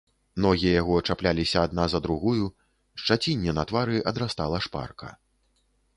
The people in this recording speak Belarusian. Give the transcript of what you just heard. Ногі яго чапляліся адна за другую, шчацінне на твары адрастала шпарка.